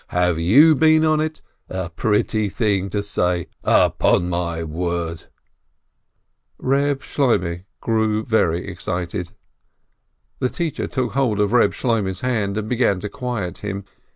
Have you been on it? A pretty thing to say, upon my word !" Reb Shloimeh grew very excited. The teacher took hold of Eeb Shloimeh's hand, and began to quiet him.